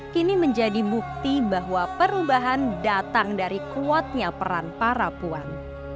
kini menjadi bukti bahwa perubahan datang dari kuatnya peran para puan